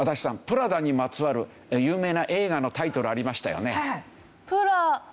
プラダにまつわる有名な映画のタイトルありましたよね？